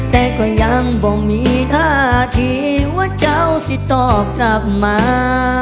แต่ก็ยังบ่มีท่าทีว่าเจ้าสิตอบกลับมา